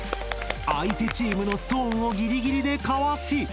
相手チームのストーンをギリギリでかわし！